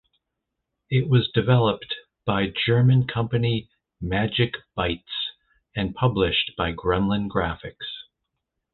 It was developed by German company Magic Bytes and published by Gremlin Graphics.